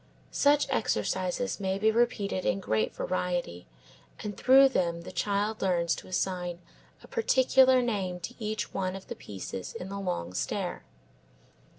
Such exercises may be repeated in great variety and through them the child learns to assign a particular name to each one of the pieces in the long stair.